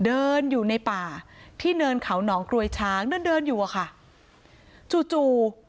เดินอยู่ในป่าที่เนินเขาหนองกรวยช้างเดินเดินอยู่อะค่ะจู่จู่